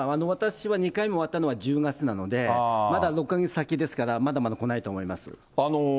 私は２回目終わったのは１０月なので、まだ６か月先ですから、まだまだ来ないと思います。